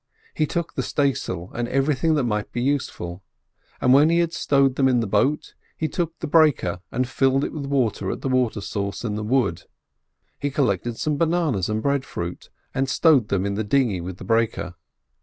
He took the stay sail and everything that might be useful; and when he had stowed them in the boat, he took the breaker and filled it with water at the water source in the wood; he collected some bananas and breadfruit, and stowed them in the dinghy with the breaker.